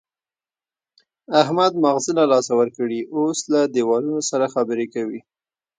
احمد ماغزه له لاسه ورکړي، اوس له دېوالونو سره خبرې کوي.